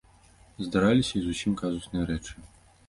Здараліся і зусім казусныя рэчы.